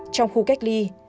trong khu cách ly